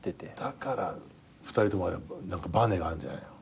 だから２人ともばねがあんじゃないの？